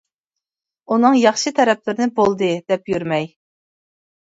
ئۇنىڭ ياخشى تەرەپلىرىنى بولدى، دەپ يۈرمەي.